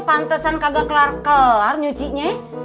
pantesan kagak kelar kelar nyuci nya